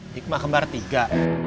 hikmah kembar tiga